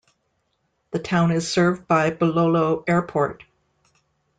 The town is served by Bulolo Airport.